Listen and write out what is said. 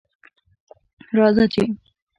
راځه چې